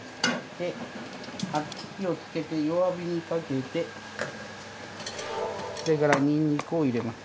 で火をつけて弱火にかけてそれからニンニクを入れます。